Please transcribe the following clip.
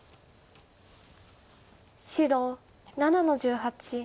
白７の十八。